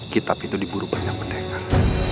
kitab itu diburu banyak mendengar